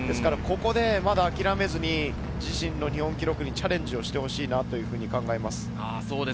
ここでまだあきらめずに、自身の日本記録にチャレンジしてほしいなと考えます。